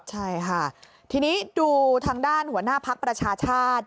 ใช่ค่ะทีนี้ดูทางด้านหัวหน้าภักดิ์ประชาชาติ